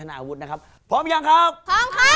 สะพรงหรือยังครับปร้องค่ะ